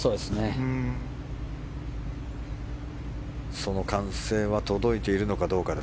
その歓声は届いているのかどうか。